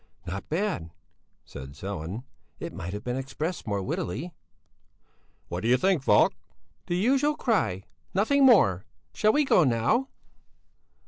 "Not bad," said Sellén, "it might have been expressed more wittily." "What do you think, Falk?" "The usual cry nothing more. Shall we go now?"